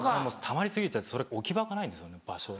たまり過ぎちゃって置き場がないんですよね場所。